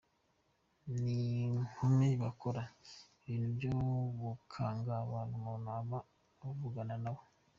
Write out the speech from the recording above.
n’inkumi bakora ibintu byo gukanga abantu umuntu aba avugana nabo,